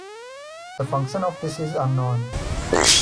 The function of this is unknown.